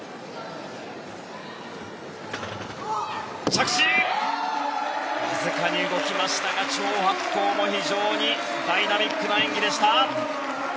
着地はわずかに動きましたがチョウ・ハクコウも、非常にダイナミックな演技でした。